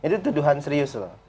itu tuduhan serius loh